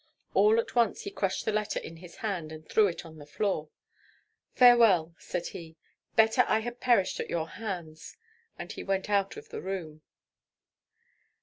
All at once he crushed the letter in his hand, and threw it on the floor. "Farewell!" said he. "Better I had perished at your hands!" and he went out of the room.